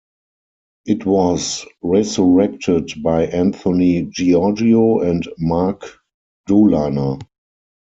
It was resurrected by Anthony Giorgio and Mark Doliner.